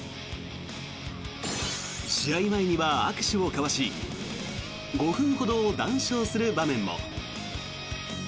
試合前には握手を交わし５分ほど談笑する場面も。